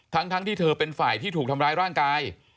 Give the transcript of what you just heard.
ทั้งที่เธอเป็นฝ่ายที่ถูกทำร้ายร่างกาย